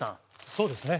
そうですね